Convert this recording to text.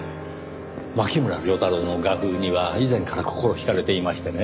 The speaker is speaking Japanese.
牧村遼太郎の画風には以前から心引かれていましてね。